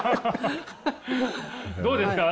どうですか？